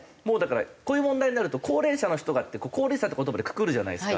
こういう問題になると「高齢者の人が」って「高齢者」っていう言葉でくくるじゃないですか。